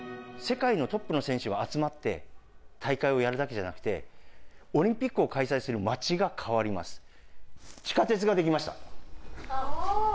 世界のトップの選手が集まって大会をやるだけじゃなくて、オリンピックを開催する街が変わります。